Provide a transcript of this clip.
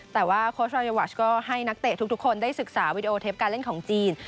แต่ว่าโค้ชราเยาวัชก็ให้นักเตะทุกคนได้ศึกษาวิดีโอเทปการเล่นของจีน